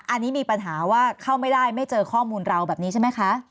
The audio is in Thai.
อันนี้มีปัญหาว่าเข้าไม่ได้ไม่เจอข้อมูลเราแบบนี้ใช่ไหมคะ